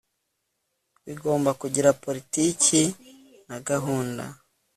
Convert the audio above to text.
bigomba kugira politiki na gahunda